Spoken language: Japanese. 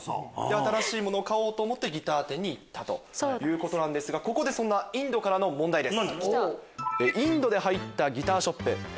新しいものを買おうと思ってギター店に行ったということですがここでインドからの問題です。